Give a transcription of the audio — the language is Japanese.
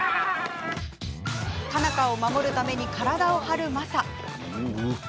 佳奈花を守るために体を張るマサ。